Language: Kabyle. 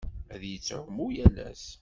Ad yettɛumu yal ass.